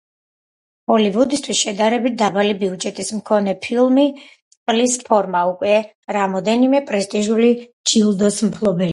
ჰოლივუდისთვის შედარებით დაბალი ბიუჯეტის მქონე ფილმი „წყლის ფორმა“ უკვე რამდენიმე პრესტიჟული ჯილდოს მფლობელია.